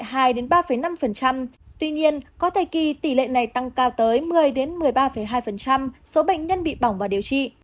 tuy nhiên có thời kỳ tỷ lệ này tăng cao tới một mươi một mươi ba hai số bệnh nhân bị bỏng và điều trị